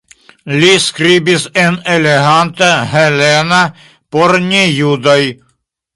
Li skribis en eleganta helena por ne-judoj.